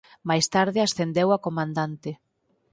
Máis tarde ascendeu a comandante.